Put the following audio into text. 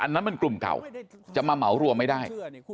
อันนั้นมันกลุ่มเก่าจะมาเหมารวมไม่ได้